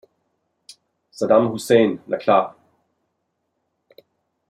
Saddam Hussein, na klar!